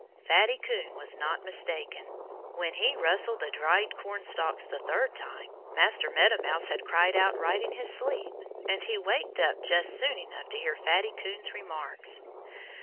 Fatty Coon was not mistaken. When he rustled the dried cornstalks the third time, Master Meadow Mouse had cried right out in his sleep. And he waked up just soon enough to hear Fatty Coon's remarks.